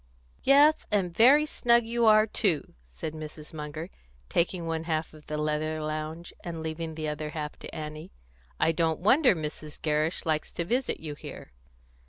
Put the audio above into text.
"Yes, and very snug you are, too," said Mrs. Munger, taking one half of the leather lounge, and leaving the other half to Annie. "I don't wonder Mrs. Gerrish likes to visit you here."